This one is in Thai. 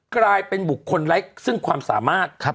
กลายเป็นบุคคลไร้ซึ่งความสามารถ